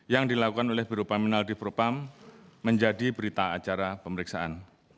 yang dilakukan oleh biro paminal di propam menjadi berita acara pemeriksaan